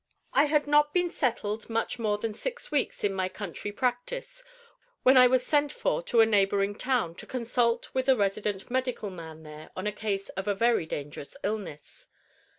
I HAD not been settled much more than six weeks in my country practice when I was sent for to a neighboring town, to consult with the resident medical man there on a case of very dangerous illness.